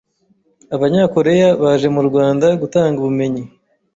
Abanya-Korea baje mu Rwanda gutanga ubumenyi